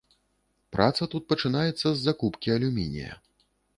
Праца тут пачынаецца з закупкі алюмінія.